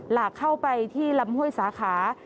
หลากเข้าไปที่ลำห้วยสาขา